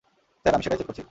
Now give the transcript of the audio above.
Sir, আমি সেটাই check করছি।